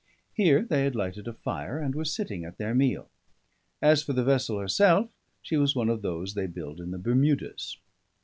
Here they had lighted a fire, and were sitting at their meal. As for the vessel herself, she was one of those they build in the Bermudas.